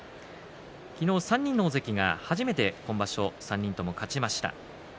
昨日、３人の大関が初めて今場所３人とも勝ちました。